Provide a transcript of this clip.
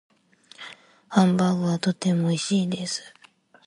ハンバーグはとても美味しいです。